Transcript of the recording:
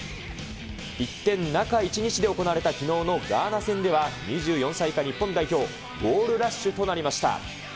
一転、中１日で行われたきのうのガーナ戦では、２４歳以下日本代表、ゴールラッシュとなりました。